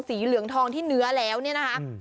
เหลืองทองที่เนื้อแล้วเนี่ยนะคะ